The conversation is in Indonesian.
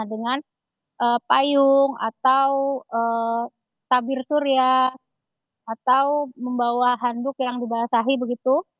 dengan payung atau tabir surya atau membawa handuk yang dibasahi begitu